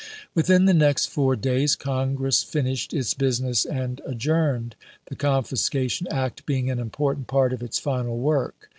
i Within the next four days Congress finished its business and adjourned, the Confiscation Act being an important part of its final work.